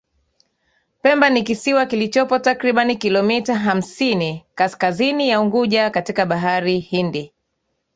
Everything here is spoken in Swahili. Pemba ni kisiwa kilichopo takribani kilomita hamsini kaskazini ya Unguja katika Bahari Hindi